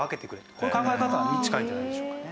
こういう考え方に近いんじゃないでしょうかね。